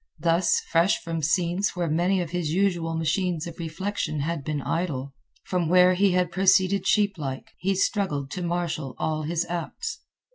Thus, fresh from scenes where many of his usual machines of reflection had been idle, from where he had proceeded sheeplike, he struggled to marshal all his acts.